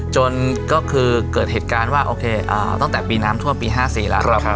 จนก็คือเกิดเหตุการณ์ว่าโอเคอ่าตั้งแต่ปีน้ำทั่วมปีห้าสี่แล้วครับ